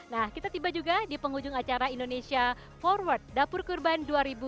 nah kita tiba juga di penghujung acara indonesia forward dapur kurban dua ribu dua puluh